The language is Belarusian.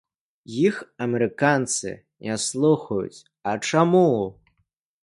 Іх амерыканцы не слухаюць, а чаму?